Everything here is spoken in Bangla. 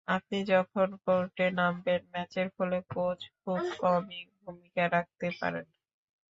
আপনি যখন কোর্টে নামবেন ম্যাচের ফলে কোচ খুব কমই ভূমিকা রাখতে পারেন।